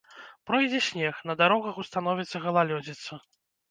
Пройдзе снег, на дарогах установіцца галалёдзіца.